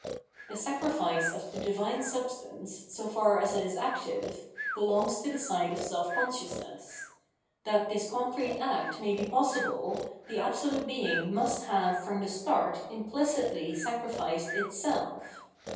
The sacrifice of the divine substance, so far as it is active, belongs to the side of self consciousness. That this concrete act may be possible, the absolute Being must have from the start implicitly sacrificed itself.